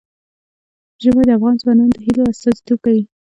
ژمی د افغان ځوانانو د هیلو استازیتوب کوي.